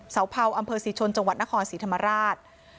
เสาเผาอำเภอศรีชนจังหวัดนครศรีธรรมราช